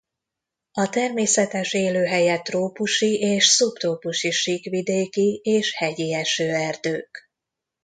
A természetes élőhelye trópusi és szubtrópusi síkvidéki és hegyi esőerdők.